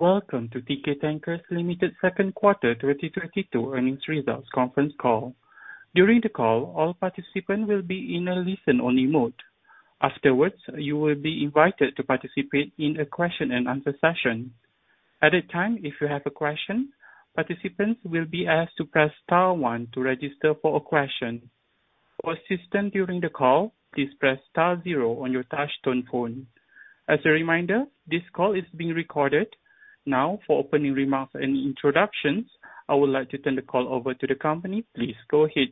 Welcome to Teekay Tankers Ltd.'s Second Quarter 2022 Earnings Results Conference Call. During the call, all participants will be in a listen-only mode. Afterwards, you will be invited to participate in a question-and-answer session. At that time, if you have a question, participants will be asked to press star one to register for a question. For assistance during the call, please press star zero on your touch-tone phone. As a reminder, this call is being recorded. Now, for opening remarks and introductions, I would like to turn the call over to the company. Please go ahead.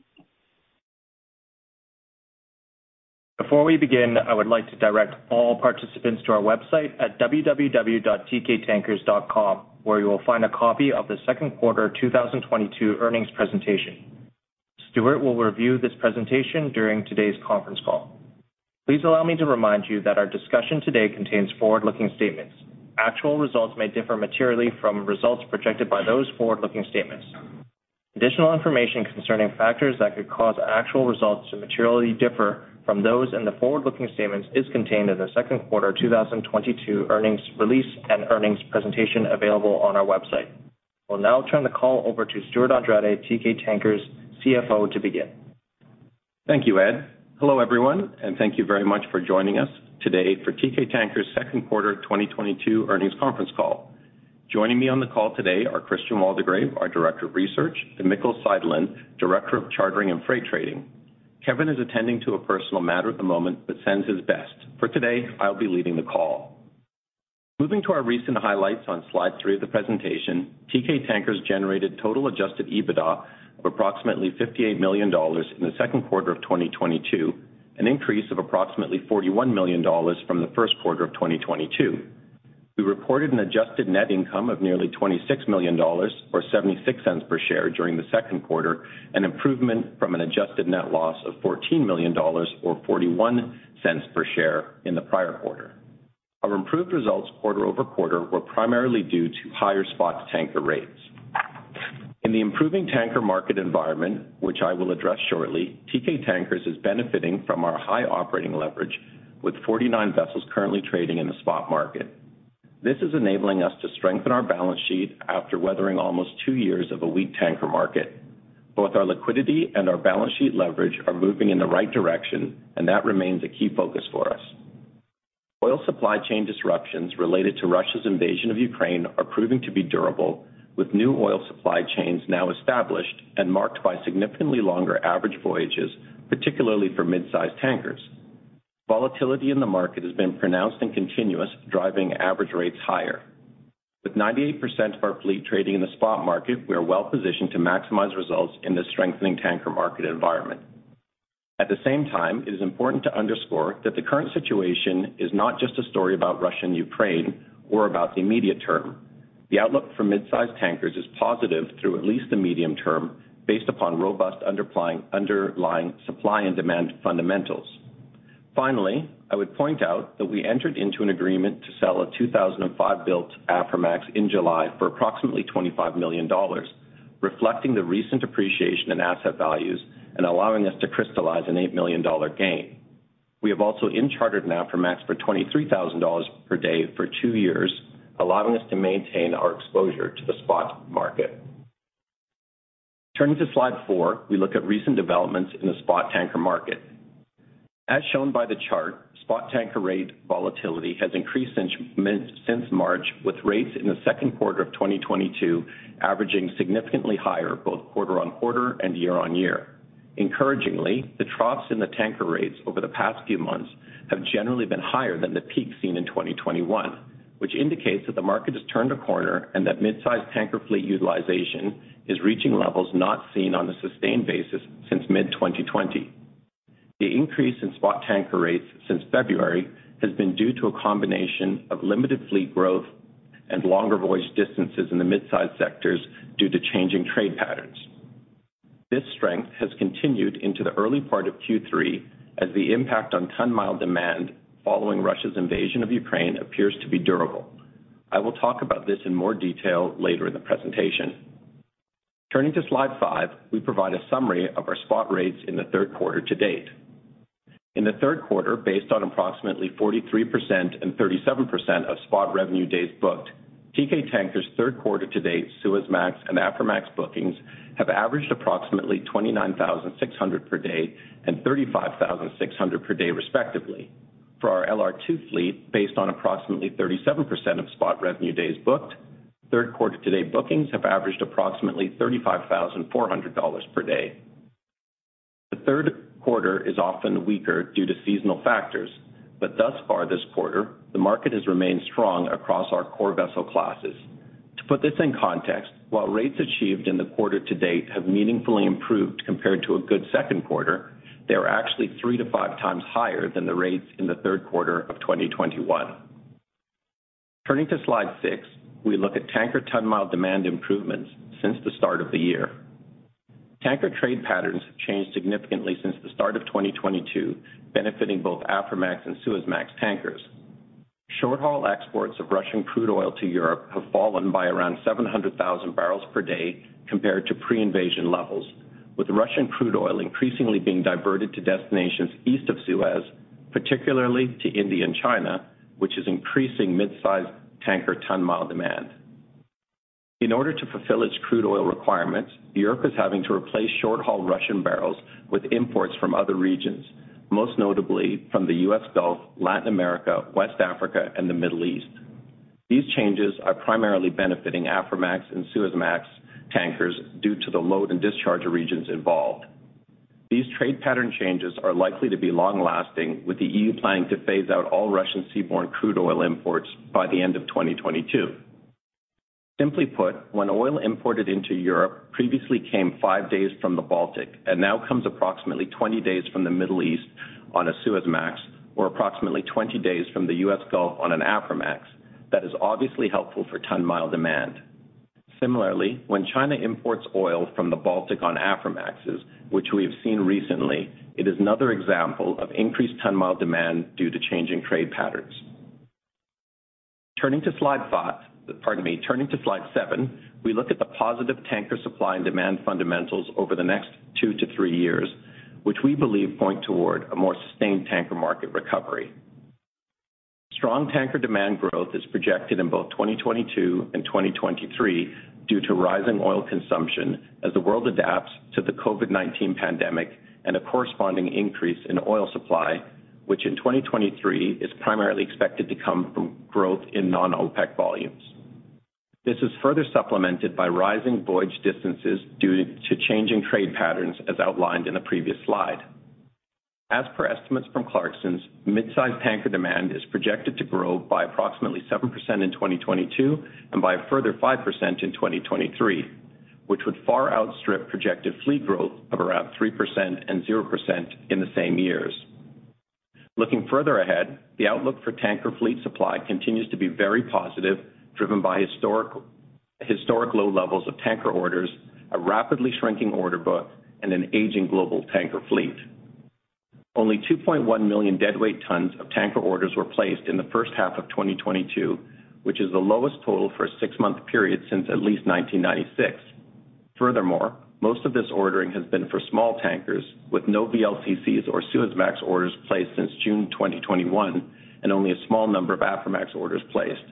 Before we begin, I would like to direct all participants to our website at www.teekaytankers.com, where you will find a copy of the second quarter 2022 earnings presentation. Stewart will review this presentation during today's conference call. Please allow me to remind you that our discussion today contains forward-looking statements. Actual results may differ materially from results projected by those forward-looking statements. Additional information concerning factors that could cause actual results to materially differ from those in the forward-looking statements is contained in the second quarter 2022 earnings release and earnings presentation available on our website. We'll now turn the call over to Stewart Andrade, Teekay Tankers' CFO, to begin. Thank you, Edward. Hello, everyone, and thank you very much for joining us today for Teekay Tankers Second Quarter 2022 Earnings Conference Call. Joining me on the call today are Christian Waldegrave, our Director of Research, and Mikkel Seidelin, Director of Chartering and Freight Trading. Kevin is attending to a personal matter at the moment but sends his best. For today, I'll be leading the call. Moving to our recent highlights on slide three of the presentation, Teekay Tankers generated total adjusted EBITDA of approximately $58 million in the second quarter of 2022, an increase of approximately $41 million from the first quarter of 2022. We reported an adjusted net income of nearly $26 million or $0.76 per share during the second quarter, an improvement from an adjusted net loss of $14 million or $0.41 per share in the prior quarter. Our improved results quarter-over-quarter were primarily due to higher spot tanker rates. In the improving tanker market environment, which I will address shortly, Teekay Tankers is benefiting from our high operating leverage with 49 vessels currently trading in the spot market. This is enabling us to strengthen our balance sheet after weathering almost two years of a weak tanker market. Both our liquidity and our balance sheet leverage are moving in the right direction, and that remains a key focus for us. Oil supply chain disruptions related to Russia's invasion of Ukraine are proving to be durable, with new oil supply chains now established and marked by significantly longer average voyages, particularly for mid-sized tankers. Volatility in the market has been pronounced and continuous, driving average rates higher. With 98% of our fleet trading in the spot market, we are well-positioned to maximize results in this strengthening tanker market environment. At the same time, it is important to underscore that the current situation is not just a story about Russia and Ukraine or about the immediate term. The outlook for mid-size tankers is positive through at least the medium term based upon robust underlying supply and demand fundamentals. Finally, I would point out that we entered into an agreement to sell a 2005-built Aframax in July for approximately $25 million, reflecting the recent appreciation in asset values and allowing us to crystallize an $8 million gain. We have also in-chartered an Aframax for $23,000 per day for two years, allowing us to maintain our exposure to the spot market. Turning to slide four, we look at recent developments in the spot tanker market. As shown by the chart, spot tanker rate volatility has increased since March, with rates in the second quarter of 2022 averaging significantly higher both quarter-on-quarter and year-on-year. Encouragingly, the troughs in the tanker rates over the past few months have generally been higher than the peaks seen in 2021, which indicates that the market has turned a corner and that mid-sized tanker fleet utilization is reaching levels not seen on a sustained basis since mid-2020. The increase in spot tanker rates since February has been due to a combination of limited fleet growth and longer voyage distances in the mid-size sectors due to changing trade patterns. This strength has continued into the early part of Q3 as the impact on ton-mile demand following Russia's invasion of Ukraine appears to be durable. I will talk about this in more detail later in the presentation. Turning to slide five, we provide a summary of our spot rates in the third quarter to date. In the third quarter, based on approximately 43% and 37% of spot revenue days booked, Teekay Tankers third quarter to date Suezmax and Aframax bookings have averaged approximately $29,600 per day and $35,600 per day respectively. For our LR2 fleet, based on approximately 37% of spot revenue days booked, third quarter to date bookings have averaged approximately $35,400 per day. The third quarter is often weaker due to seasonal factors, but thus far this quarter, the market has remained strong across our core vessel classes. To put this in context, while rates achieved in the quarter to date have meaningfully improved compared to a good second quarter, they are actually 3x-5x higher than the rates in the third quarter of 2021. Turning to Slide six, we look at tanker ton-mile demand improvements since the start of the year. Tanker trade patterns have changed significantly since the start of 2022, benefiting both Aframax and Suezmax tankers. Short-haul exports of Russian crude oil to Europe have fallen by around 700,000 bbl per day compared to pre-invasion levels. With Russian crude oil increasingly being diverted to destinations east of Suez, particularly to India and China, which is increasing mid-size tanker ton-mile demand. In order to fulfill its crude oil requirements, Europe is having to replace short-haul Russian barrels with imports from other regions, most notably from the U.S. Gulf, Latin America, West Africa and the Middle East. These changes are primarily benefiting Aframax and Suezmax tankers due to the load and discharge of regions involved. These trade pattern changes are likely to be long-lasting, with the E.U. planning to phase out all Russian seaborne crude oil imports by the end of 2022. Simply put, when oil imported into Europe previously came five days from the Baltic and now comes approximately 20 days from the Middle East on a Suezmax or approximately 20 days from the U.S. Gulf on an Aframax, that is obviously helpful for ton-mile demand. Similarly, when China imports oil from the Baltic on Aframaxes, which we have seen recently, it is another example of increased ton-mile demand due to changing trade patterns. Turning to slide seven, we look at the positive tanker supply and demand fundamentals over the next two-three years, which we believe point toward a more sustained tanker market recovery. Strong tanker demand growth is projected in both 2022 and 2023 due to rising oil consumption as the world adapts to the COVID-19 pandemic and a corresponding increase in oil supply, which in 2023 is primarily expected to come from growth in non-OPEC volumes. This is further supplemented by rising voyage distances due to changing trade patterns, as outlined in the previous slide. As per estimates from Clarksons, mid-size tanker demand is projected to grow by approximately 7% in 2022 and by a further 5% in 2023, which would far outstrip projected fleet growth of around 3% and 0% in the same years. Looking further ahead, the outlook for tanker fleet supply continues to be very positive, driven by historic low levels of tanker orders, a rapidly shrinking order book, and an aging global tanker fleet. Only 2.1 million deadweight tons of tanker orders were placed in the first half of 2022, which is the lowest total for a six-month period since at least 1996. Furthermore, most of this ordering has been for small tankers with no VLCCs or Suezmax orders placed since June 2021 and only a small number of Aframax orders placed.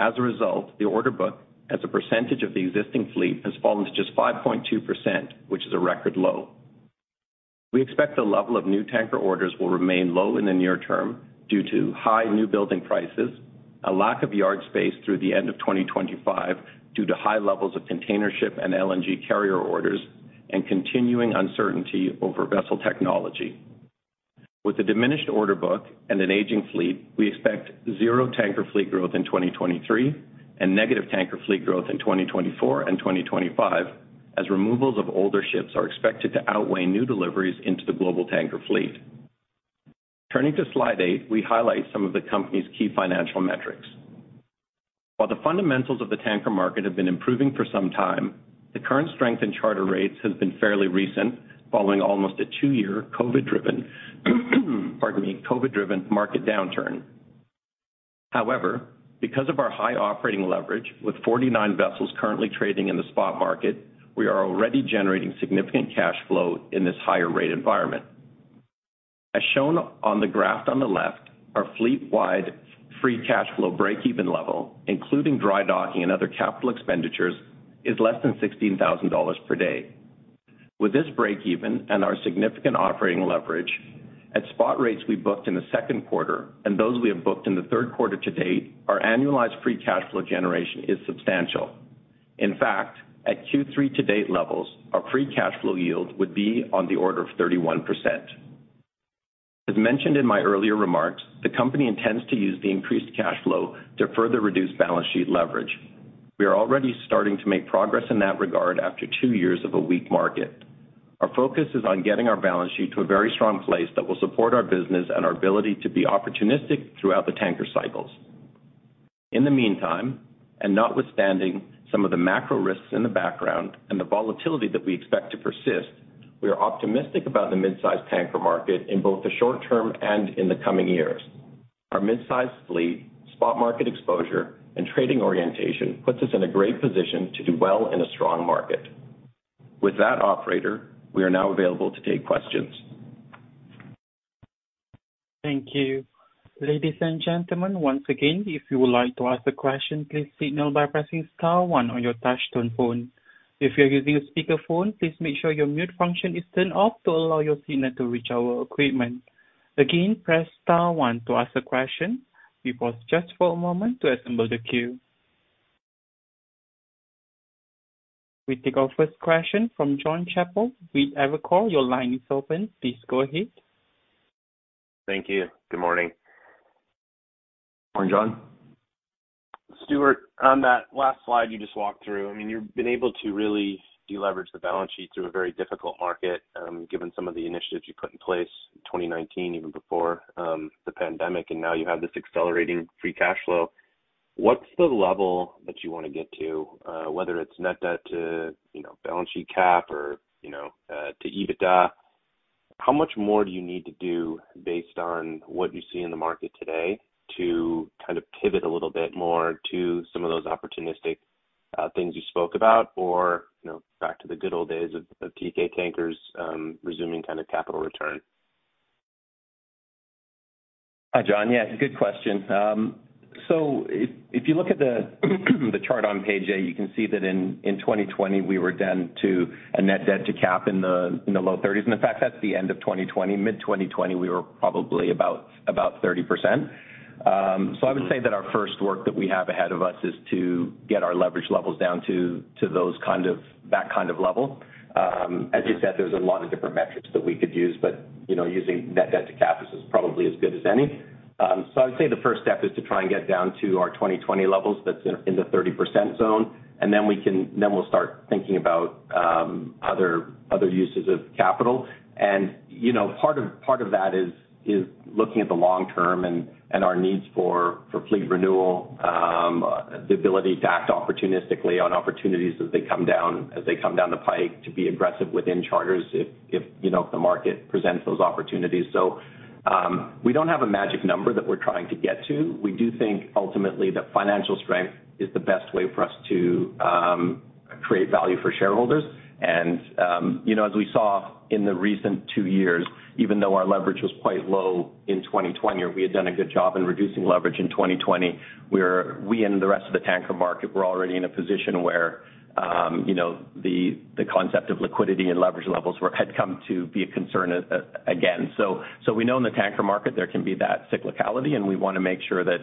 As a result, the order book as a percentage of the existing fleet has fallen to just 5.2%, which is a record low. We expect the level of new tanker orders will remain low in the near term due to high new building prices, a lack of yard space through the end of 2025 due to high levels of containership and LNG carrier orders, and continuing uncertainty over vessel technology. With a diminished order book and an aging fleet, we expect zero tanker fleet growth in 2023 and negative tanker fleet growth in 2024 and 2025, as removals of older ships are expected to outweigh new deliveries into the global tanker fleet. Turning to slide eight, we highlight some of the company's key financial metrics. While the fundamentals of the tanker market have been improving for some time, the current strength in charter rates has been fairly recent, following almost a two-year COVID-driven market downturn. However, because of our high operating leverage with 49 vessels currently trading in the spot market, we are already generating significant cash flow in this higher rate environment. As shown on the graph on the left, our fleet-wide free cash flow breakeven level, including dry docking and other capital expenditures, is less than $16,000 per day. With this breakeven and our significant operating leverage at spot rates we booked in the second quarter and those we have booked in the third quarter to date, our annualized free cash flow generation is substantial. In fact, at Q3 to date levels, our free cash flow yield would be on the order of 31%. As mentioned in my earlier remarks, the company intends to use the increased cash flow to further reduce balance sheet leverage. We are already starting to make progress in that regard after two years of a weak market. Our focus is on getting our balance sheet to a very strong place that will support our business and our ability to be opportunistic throughout the tanker cycles. In the meantime, and notwithstanding some of the macro risks in the background and the volatility that we expect to persist, we are optimistic about the mid-size tanker market in both the short term and in the coming years. Our mid-size fleet, spot market exposure, and trading orientation puts us in a great position to do well in a strong market. With that, operator, we are now available to take questions. Thank you. Ladies and gentlemen, once again, if you would like to ask a question, please signal by pressing star one on your touchtone phone. If you're using a speakerphone, please make sure your mute function is turned off to allow your signal to reach our equipment. Again, press star one to ask a question. We pause just for a moment to assemble the queue. We take our first question from Jonathan Chappell with Evercore. Your line is open. Please go ahead. Thank you. Good morning. Morning, John. Stewart, on that last slide you just walked through, I mean, you've been able to really deleverage the balance sheet through a very difficult market, given some of the initiatives you put in place in 2019, even before the pandemic, and now you have this accelerating free cash flow. What's the level that you wanna get to, whether it's net debt to capital or to EBITDA? How much more do you need to do based on what you see in the market today to kind of pivot a little bit more to some of those opportunistic things you spoke about, or, you know, back to the good old days of Teekay Tankers, resuming kind of capital return? Hi, Jon. Yeah, good question. So, if you look at the chart on page eight, you can see that in 2020 we were down to a net debt to capital in the low 30s. In fact, that's the end of 2020. Mid-2020, we were probably about 30%. So, I would say that our first work that we have ahead of us is to get our leverage levels down to that kind of level. As you said, there's a lot of different metrics that we could use, but you know, using net debt to capital, this is probably as good as any. So, I would say the first step is to try and get down to our 2020 levels. That's in the 30% zone. Then we can. We'll start thinking about other uses of capital. You know, part of that is looking at the long term and our needs for fleet renewal, the ability to act opportunistically on opportunities as they come down the pike to be aggressive within charters if, you know, if the market presents those opportunities. We don't have a magic number that we're trying to get to. We do think ultimately that financial strength is the best way for us to create value for shareholders. You know, as we saw in the recent two years, even though our leverage was quite low in 2020, or we had done a good job in reducing leverage in 2020, we and the rest of the tanker market were already in a position where, you know, the concept of liquidity and leverage levels were had come to be a concern again. We know in the tanker market there can be that cyclicality, and we wanna make sure that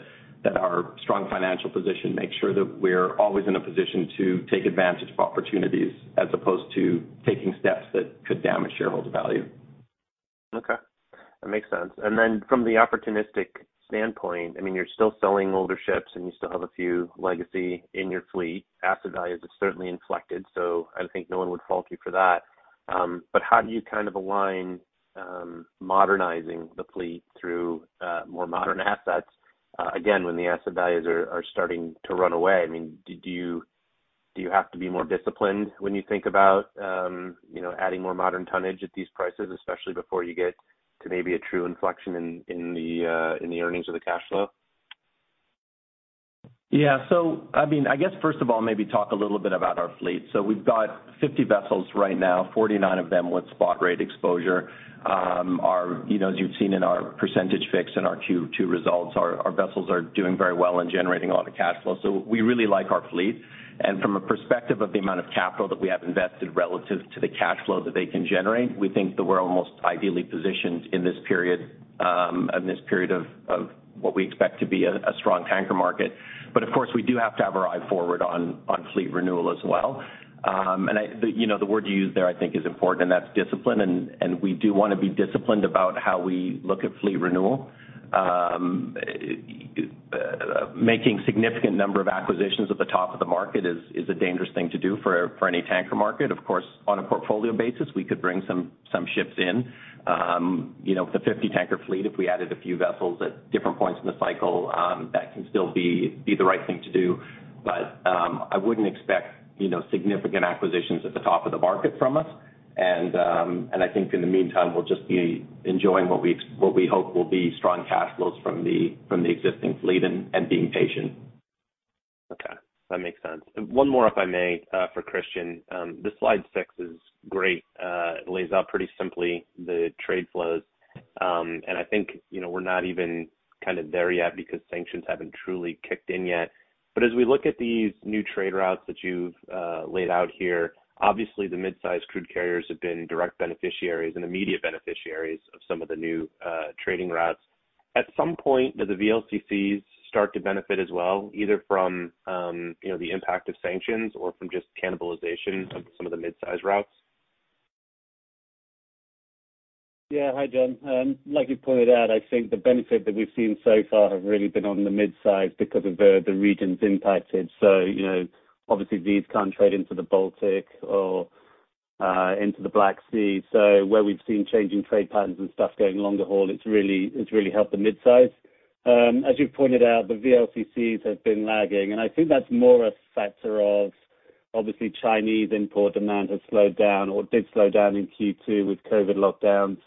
our strong financial position makes sure that we're always in a position to take advantage of opportunities as opposed to taking steps that could damage shareholder value. Okay. That makes sense. From the opportunistic standpoint, I mean, you're still selling older ships, and you still have a few legacies in your fleet. Asset values have certainly inflected, so I think no one would fault you for that. But how do you kind of align modernizing the fleet through more modern assets again, when the asset values are starting to run away? I mean, do you have to be more disciplined when you think about you know adding more modern tonnage at these prices, especially before you get to maybe a true inflection in the earnings or the cash flow? Yeah. I mean, I guess, first of all, maybe talk a little bit about our fleet. We've got 50 vessels right now, 49 of them with spot rate exposure. Our, you know, as you've seen in our percentage fix in our Q2 results, our vessels are doing very well and generating a lot of cash flow, so we really like our fleet. From a perspective of the amount of capital that we have invested relative to the cash flow that they can generate, we think that we're almost ideally positioned in this period, in this period of what we expect to be a strong tanker market. Of course, we do have to have our eye forward on fleet renewal as well. You know, the word you used there I think is important, and that's discipline. We do wanna be disciplined about how we look at fleet renewal. Making significant number of acquisitions at the top of the market is a dangerous thing to do for any tanker market. Of course, on a portfolio basis, we could bring some ships in. You know, the 50-tanker fleet, if we added a few vessels at different points in the cycle, that can still be the right thing to do. I wouldn't expect, you know, significant acquisitions at the top of the market from us. I think in the meantime, we'll just be enjoying what we hope will be strong cash flows from the existing fleet and being patient. Okay. That makes sense. One more, if I may, for Christian. The slide six is great. It lays out pretty simply the trade flows. I think, you know, we're not even kind of there yet because sanctions haven't truly kicked in yet. As we look at these new trade routes that you've laid out here, obviously the mid-size crude carriers have been direct beneficiaries and immediate beneficiaries of some of the new trading routes. At some point, do the VLCCs start to benefit as well, either from, you know, the impact of sanctions or from just cannibalization of some of the mid-size routes? Yeah. Hi, Jon. Like you pointed out, I think the benefit that we've seen so far have really been on the mid-size because of the regions impacted. You know, obviously these can't trade into the Baltic or into the Black Sea. Where we've seen changing trade patterns and stuff going longer haul, it's really helped the mid-size. As you've pointed out, the VLCCs have been lagging, and I think that's more a factor of, obviously, Chinese import demand has slowed down or did slowdown in Q2 with COVID lockdowns.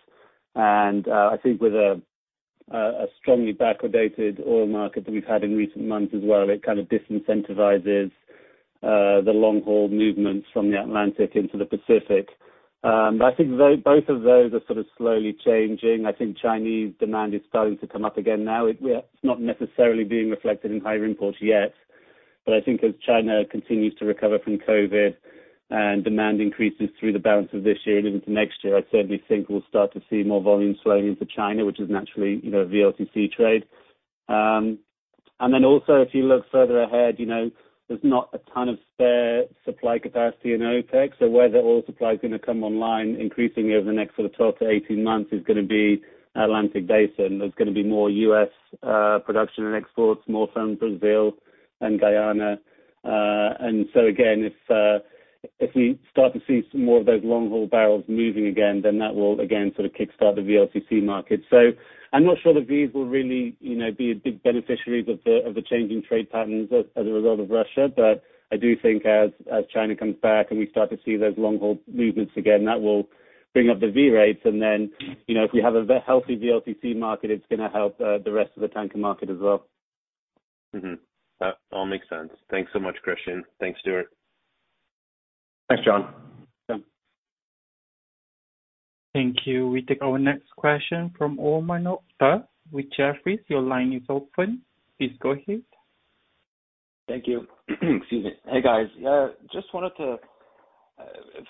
I think with a strongly backwardated oil market that we've had in recent months as well, it kind of disincentivizes the long-haul movements from the Atlantic into the Pacific. I think both of those are sort of slowly changing. I think Chinese demand is starting to come up again now. It, it's not necessarily being reflected in higher imports yet, but I think as China continues to recover from COVID and demand increases through the balance of this year and into next year, I certainly think we'll start to see more volume flowing into China, which is naturally, you know, VLCC trade. Also, if you look further ahead, you know, there's not a ton of spare supply capacity in OPEC, so where the oil supply is gonna come online increasingly over the next sort of 12-18 months is gonna be Atlantic Basin. There's gonna be more U.S. production and exports, more from Brazil and Guyana. Again, if we start to see some more of those long-haul barrels moving again, then that will again sort of kickstart the VLCC market. I'm not sure the VLCCs will really, you know, be a big beneficiary of the changing trade patterns as a result of Russia. I do think as China comes back and we start to see those long-haul movements again, that will bring up the VLCC rates. You know, if we have a very healthy VLCC market, it's gonna help the rest of the tanker market as well. Mm-hmm. That all makes sense. Thanks so much, Christian. Thanks, Stewart. Thanks, Jon. Yeah. Thank you. We take our next question from Omar Nokta with Jefferies. Your line is open. Please go ahead. Thank you. Excuse me. Hey, guys. Just wanted to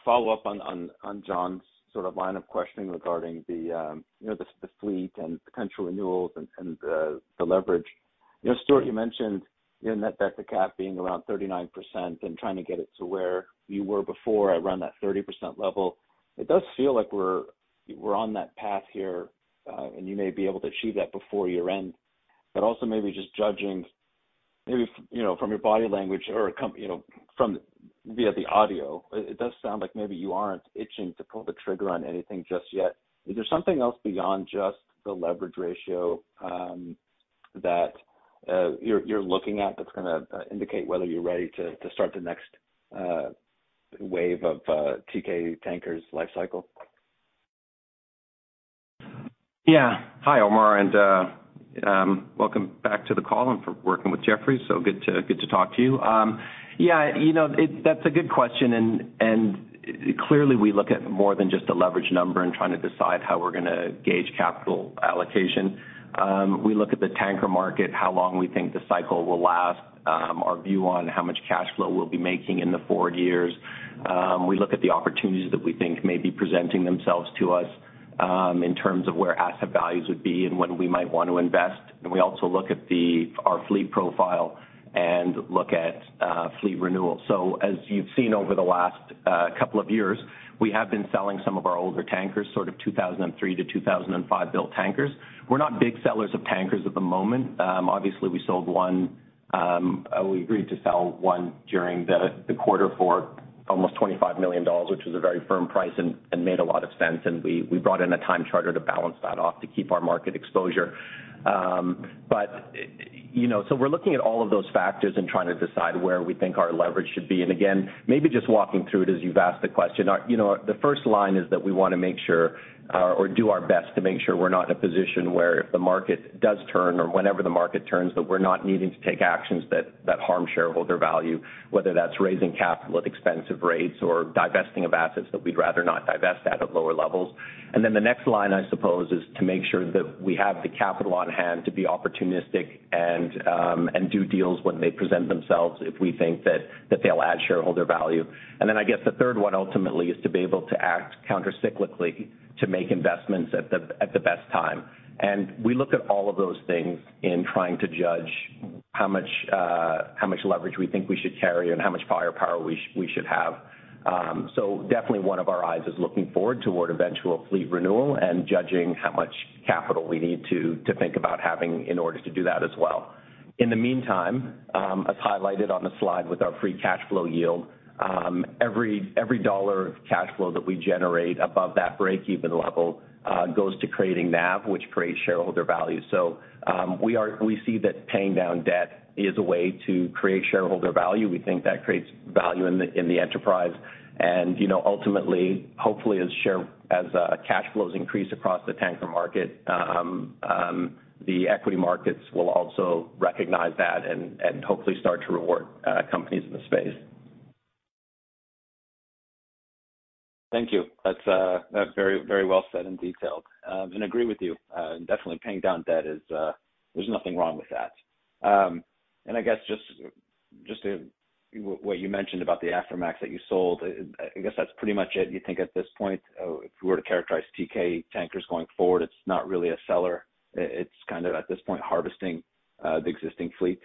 follow up on Jon's sort of line of questioning regarding the fleet and potential renewals and the leverage. You know, Stewart, you mentioned your net debt to capital being around 39% and trying to get it to where you were before around that 30% level. It does feel like we're on that path here, and you may be able to achieve that before year-end. Also maybe just judging from your body language or, you know, from via the audio, it does sound like maybe you aren't itching to pull the trigger on anything just yet. Is there something else beyond just the leverage ratio that you're looking at that's gonna indicate whether you're ready to start the next wave of Teekay Tankers' life cycle? Yeah. Hi, Omar, and welcome back to the call and for working with Jefferies, so good to talk to you. Yeah, you know, that's a good question. Clearly, we look at more than just a leverage number in trying to decide how we're gonna gauge capital allocation. We look at the tanker market, how long we think the cycle will last, our view on how much cash flow we'll be making in the forward years. We look at the opportunities that we think may be presenting themselves to us, in terms of where asset values would be and when we might want to invest. We also look at our fleet profile and look at fleet renewal. As you've seen over the last couple of years, we have been selling some of our older tankers, sort of 2003-2005-built tankers. We're not big sellers of tankers at the moment. Obviously, we sold one, we agreed to sell one during the quarter for almost $25 million, which was a very firm price and made a lot of sense, and we brought in a time charter to balance that off to keep our market exposure. But, you know, we're looking at all of those factors and trying to decide where we think our leverage should be. Again, maybe just walking through it as you've asked the question. You know, the first line is that we wanna make sure or do our best to make sure we're not in a position where if the market does turn or whenever the market turns, that we're not needing to take actions that harm shareholder value, whether that's raising capital at expensive rates or divesting of assets that we'd rather not divest at lower levels. The next line, I suppose, is to make sure that we have the capital on hand to be opportunistic and do deals when they present themselves if we think that they'll add shareholder value. I guess the third one ultimately is to be able to act countercyclically to make investments at the best time. We look at all of those things in trying to judge how much leverage we think we should carry and how much firepower we should have. Definitely one of our eyes is looking forward toward eventual fleet renewal and judging how much capital we need to think about having in order to do that as well. In the meantime, as highlighted on the slide with our free cash flow yield, every dollar of cash flow that we generate above that breakeven level goes to creating NAV, which creates shareholder value. We see that paying down debt is a way to create shareholder value. We think that creates value in the enterprise. You know, ultimately, hopefully, as cash flows increase across the tanker market, the equity markets will also recognize that and hopefully start to reward companies in the space. Thank you. That's very, very well said and detailed. Agree with you. Definitely paying down debt is. There's nothing wrong with that. I guess just what you mentioned about the Aframax that you sold. I guess that's pretty much it. You think at this point, if we were to characterize Teekay Tankers going forward, it's not really a seller. It's kind of, at this point, harvesting the existing fleet.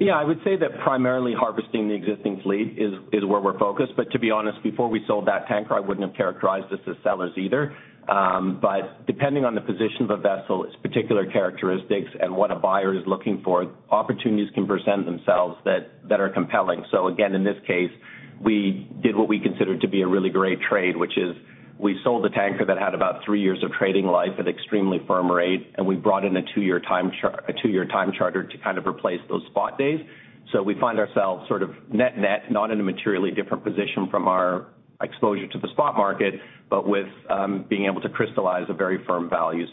Yeah. I would say that primarily harvesting the existing fleet is where we're focused. To be honest, before we sold that tanker, I wouldn't have characterized us as sellers either. Depending on the position of a vessel, its particular characteristics and what a buyer is looking for, opportunities can present themselves that are compelling. Again, in this case, we did what we considered to be a really great trade, which is we sold a tanker that had about three years of trading life at extremely firm rate, and we brought in a two-year time charter to kind of replace those spot days. We find ourselves sort of net net, not in a materially different position from our exposure to the spot market, but with being able to crystallize a very firm value.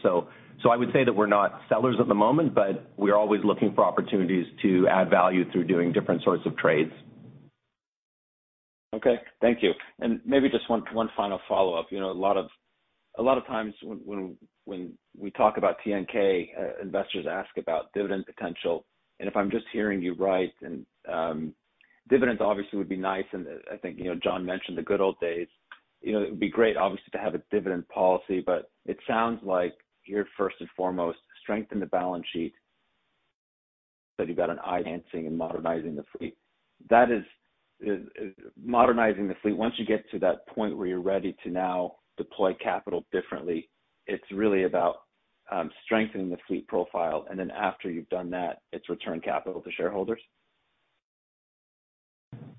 I would say that we're not sellers at the moment, but we are always looking for opportunities to add value through doing different sorts of trades. Okay. Thank you. Maybe just one final follow-up. You know, a lot of times when we talk about TNK, investors ask about dividend potential. If I'm just hearing you right, dividends obviously would be nice, and I think, you know, Jon mentioned the good old days. You know, it would be great, obviously, to have a dividend policy, but it sounds like you're first and foremost strengthen the balance sheet, that you've got an eye on expanding and modernizing the fleet. Modernizing the fleet, once you get to that point where you're ready to now deploy capital differently, it's really about strengthening the fleet profile, and then after you've done that, it's returned capital to shareholders.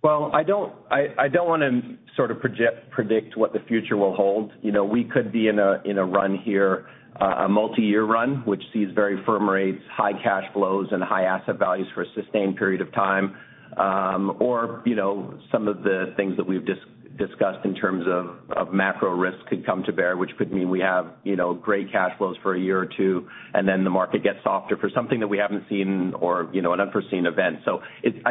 Well, I don't wanna sort of project, predict what the future will hold. You know, we could be in a run here, a multi-year run, which sees very firm rates, high cash flows, and high asset values for a sustained period of time. Or, you know, some of the things that we've discussed in terms of macro risk could come to bear, which could mean we have, you know, great cash flows for a year or two, and then the market gets softer for something that we haven't seen or, you know, an unforeseen event. It's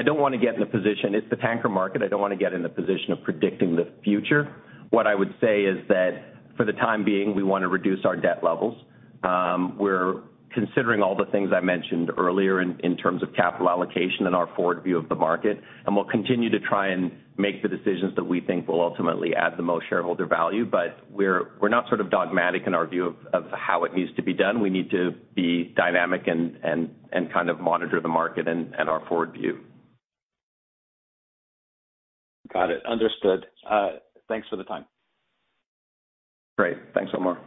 the tanker market. I don't wanna get in the position of predicting the future. What I would say is that for the time being, we wanna reduce our debt levels. We're considering all the things I mentioned earlier in terms of capital allocation and our forward view of the market, and we'll continue to try and make the decisions that we think will ultimately add the most shareholder value. We're not sort of dogmatic in our view of how it needs to be done. We need to be dynamic and kind of monitor the market and our forward view. Got it. Understood. Thanks for the time. Great. Thanks, Omar.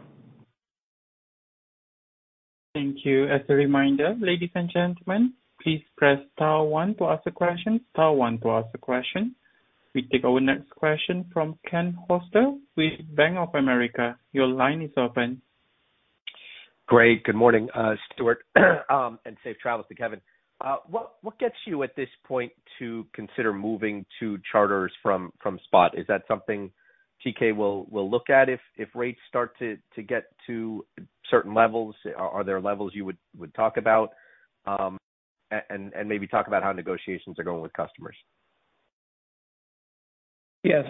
Thank you. As a reminder, ladies and gentlemen, please press star one to ask a question. Star one to ask a question. We take our next question from Ken Hoexter with Bank of America. Your line is open. Great. Good morning, Stewart, and safe travels to Kevin. What gets you at this point to consider moving to charters from spot? Is that something TK will look at if rates start to get to certain levels? Are there levels you would talk about? Maybe talk about how negotiations are going with customers. Yeah,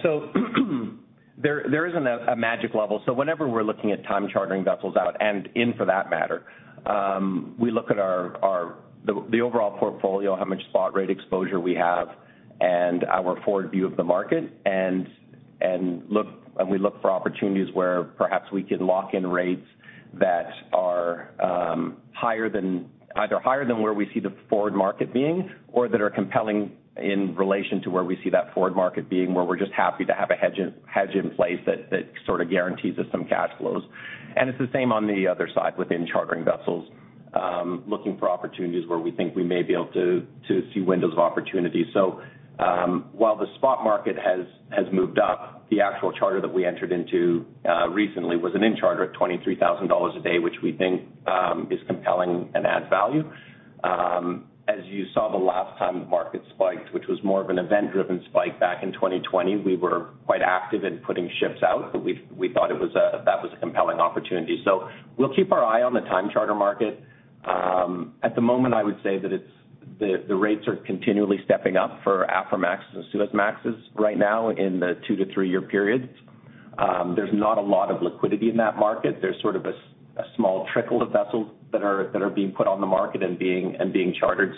there isn't a magic level. Whenever we're looking at time chartering vessels out, and in for that matter, we look at our overall portfolio, how much spot rate exposure we have and our forward view of the market and we look for opportunities where perhaps we can lock in rates that are higher than either higher than where we see the forward market being or that are compelling in relation to where we see that forward market being, where we're just happy to have a hedge in place that sort of guarantees us some cash flows. It's the same on the other side within chartering vessels, looking for opportunities where we think we may be able to see windows of opportunity. While the spot market has moved up, the actual charter that we entered into recently was an in charter at $23,000 a day, which we think is compelling and adds value. As you saw the last time the market spiked, which was more of an event-driven spike back in 2020, we were quite active in putting ships out, but we thought that was a compelling opportunity. We'll keep our eye on the time charter market. At the moment, I would say that the rates are continually stepping up for Aframax and Suezmaxes right now in the two-three-year periods. There's not a lot of liquidity in that market. There's sort of a small trickle of vessels that are being put on the market and being chartered.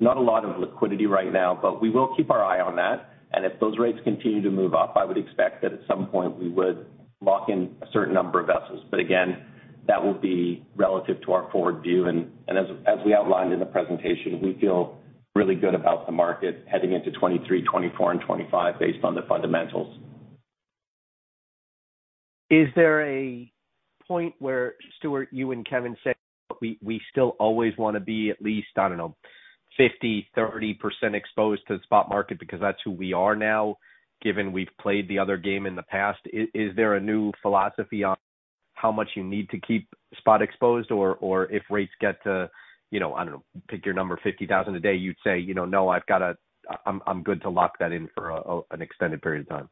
Not a lot of liquidity right now, but we will keep an eye on that. If those rates continue to move up, I would expect that at some point we would lock in a certain number of vessels. Again, that will be relative to our forward view. As we outlined in the presentation, we feel really good about the market heading into 2023, 2024 and 2025 based on the fundamentals. Is there a point where, Stewart, you and Kevin said we still always wanna be at least, I don't know, 50%, 30% exposed to the spot market because that's who we are now, given we've played the other game in the past. Is there a new philosophy on how much you need to keep spot exposed? Or if rates get to, you know, I don't know, pick your number, $50,000 a day, you'd say, you know, "No, I've gotta. I'm good to lock that in for an extended period of time.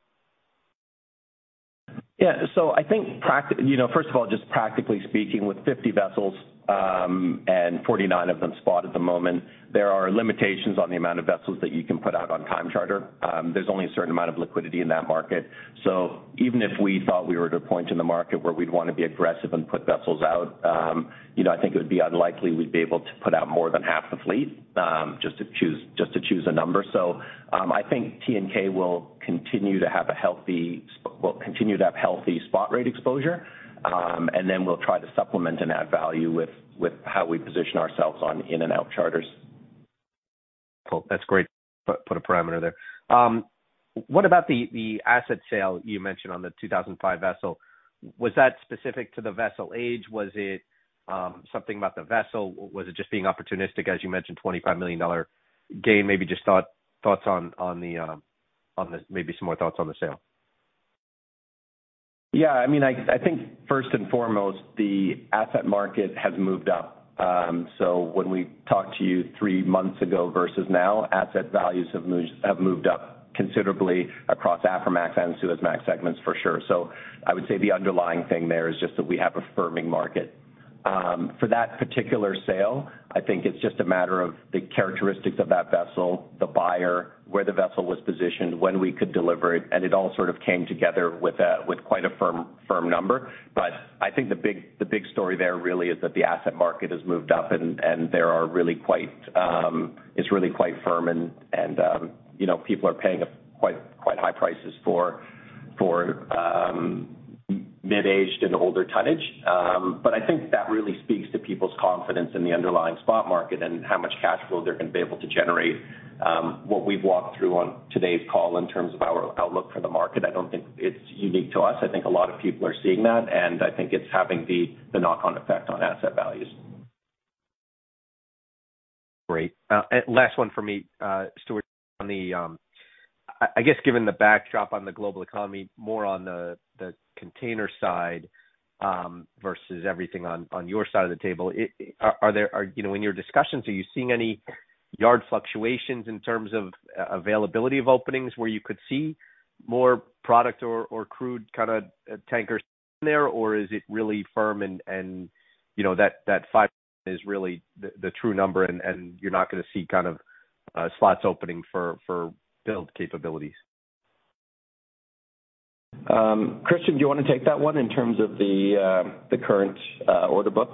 Yeah. I think practically speaking, with 50 vessels and 49 of them spot at the moment, there are limitations on the amount of vessels that you can put out on time charter. There's only a certain amount of liquidity in that market. Even if we thought we were at a point in the market where we'd wanna be aggressive and put vessels out, you know, I think it would be unlikely we'd be able to put out more than half the fleet, just to choose a number. I think TNK will continue to have a healthy spot rate exposure, and then we'll try to supplement and add value with how we position ourselves on in and out charters. Cool. That's great. Put a parameter there. What about the asset sale you mentioned on the 2005 vessel? Was that specific to the vessel age? Was it something about the vessel? Was it just being opportunistic, as you mentioned, $25 million gain? Maybe just thoughts on the sale. Maybe some more thoughts on the sale. Yeah, I mean, I think first and foremost, the asset market has moved up. When we talked to you three months ago versus now, asset values have moved up considerably across Aframax and Suezmax segments for sure. I would say the underlying thing there is just that we have a firming market. For that particular sale, I think it's just a matter of the characteristics of that vessel, the buyer, where the vessel was positioned, when we could deliver it, and it all sort of came together with quite a firm number. I think the big story there really is that the asset market has moved up and there are really quite firm, and you know, people are paying quite high prices for mid-aged and older tonnage. I think that really speaks to people's confidence in the underlying spot market and how much cash flow they're gonna be able to generate. What we've walked through on today's call in terms of our outlook for the market, I don't think it's unique to us. I think a lot of people are seeing that, and I think it's having the knock-on effect on asset values. Great. Last one for me, Stewart. On the, I guess given the backdrop on the global economy, more on the container side, versus everything on your side of the table, are there, you know, in your discussions, are you seeing any yard fluctuations in terms of availability of openings where you could see more product or crude kind of tankers in there? Or is it really firm and, you know, that five is really the true number and you're not gonna see kind of slots opening for build capabilities? Christian, do you wanna take that one in terms of the current order book?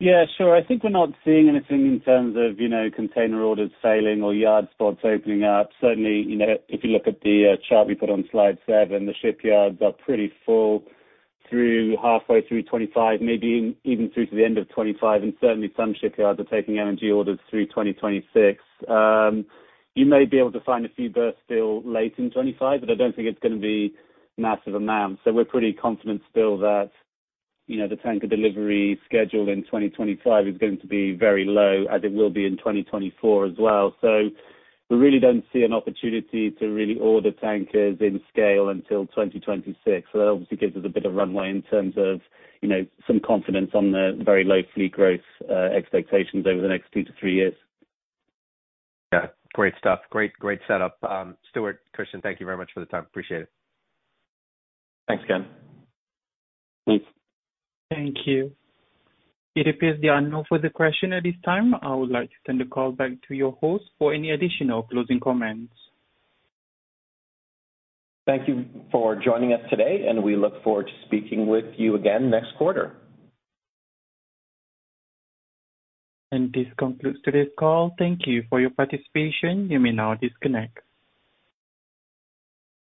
Yeah, sure. I think we're not seeing anything in terms of, you know, container orders sailing or yard spots opening up. Certainly, you know, if you look at the chart we put on slide seven, the shipyards are pretty full through halfway through 25, maybe even through to the end of 25, and certainly some shipyards are taking LNG orders through 2026. You may be able to find a few berths still late in 25, but I don't think it's gonna be massive amounts. We're pretty confident still that, you know, the tanker delivery schedule in 2025 is going to be very low, as it will be in 2024 as well. We really don't see an opportunity to really order tankers in scale until 2026. That obviously gives us a bit of runway in terms of, you know, some confidence on the very low fleet growth expectations over the next two-three years. Yeah. Great stuff. Great, great setup. Stewart, Christian, thank you very much for the time. Appreciate it. Thanks, Ken. Thanks. Thank you. It appears there are no further questions at this time. I would like to turn the call back to your host for any additional closing comments. Thank you for joining us today, and we look forward to speaking with you again next quarter. This concludes today's call. Thank you for your participation. You may now disconnect.